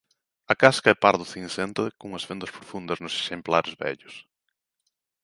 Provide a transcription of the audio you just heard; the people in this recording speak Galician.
A casca é pardo cinsenta cunhas fendas profundas nos exemplares vellos.